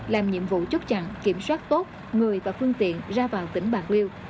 làm nhiệm vụ chốt chặn kiểm soát tốt người và phương tiện ra vào tỉnh bạc liêu